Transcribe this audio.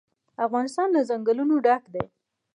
افغانستان له ځنګلونه ډک دی.